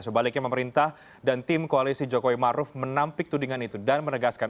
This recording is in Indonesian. sebaliknya pemerintah dan tim koalisi jokowi maruf menampik tudingan itu dan menegaskan